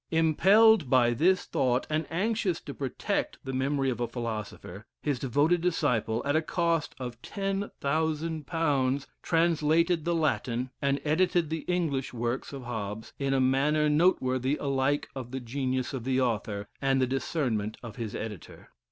Impelled by this thought, and anxious to protect the memory of a philosopher, his devoted disciple, at a cost of £10,000, translated the Latin, and edited the English works of Hobbes, in a manner worthy alike of the genius of the author, and the discernment of his editor.